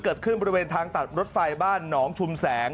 เกิดขึ้นบริเวณทางตัดรถไฟบ้านหนองชุมแสง